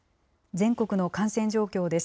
全国の感染状況です。